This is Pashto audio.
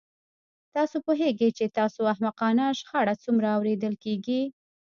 تاسو پوهیږئ چې ستاسو احمقانه شخړه څومره اوریدل کیږي